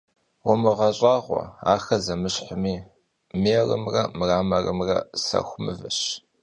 Vumığeş'ağue, axer zemışhmi — mêlımre mramorımre — sexu mıveş.